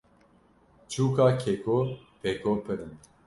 Çûka Keko Peko pir in.